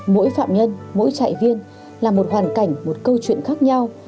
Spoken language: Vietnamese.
mỗi phạm nhân mỗi trại viên là một hoàn cảnh một câu chuyện khác nhau